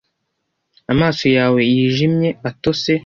amaso yawe yijimye atose